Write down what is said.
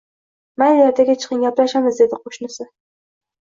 Mayli, ertaga chiqing, gaplashamiz, dedi qoʻshnisi